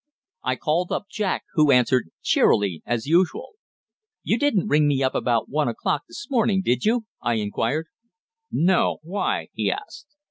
I called up Jack, who answered cheerily as usual. "You didn't ring me up about one o'clock this morning, did you?" I inquired. "No. Why?" he asked.